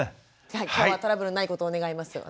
今日はトラブルないことを願いますよ